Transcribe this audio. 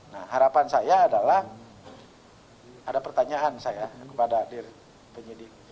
nah harapan saya adalah ada pertanyaan saya kepada diri penyidik